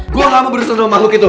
gue gak mau berusaha sama makhluk itu